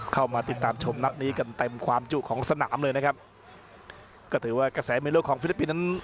เข้ามาติดตามชมนัดนี้กันเต็มความจุของสนามเลยนะครับก็ถือว่ากระแสเมโลของฟิลิปปินส์นั้น